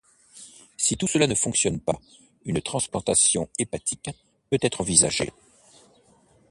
Si tout cela ne fonctionne pas, une transplantation hépatique peut être envisagée.